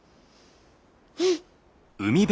うん！